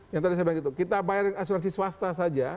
yang tadi saya bilang gitu kita bayarin asuransi swasta saja